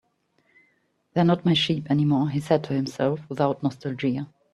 "They're not my sheep anymore," he said to himself, without nostalgia.